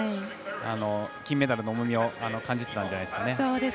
金メダルの重みを感じてたんじゃないですかね。